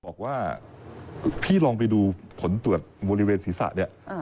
บอกว่าพี่ลองไปดูผลตรวจบริเวณศีรษะเนี่ย